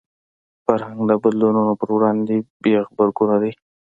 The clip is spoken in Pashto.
فرهنګ د بدلونونو پر وړاندې بې غبرګونه دی